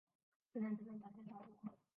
谁能真正展现洒脱